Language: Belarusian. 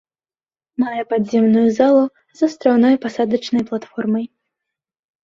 Мае падземную залу з астраўной пасадачнай платформай.